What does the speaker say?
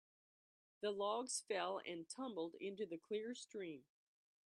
The logs fell and tumbled into the clear stream.